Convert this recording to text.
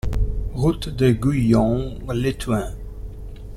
Route de Gouillons, Léthuin